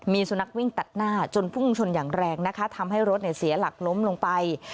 มีสุนัขวิ่งตัดหน้าจนพุ่งชนอย่างแรงนะคะทำให้รถเสียหลักล้มลงไป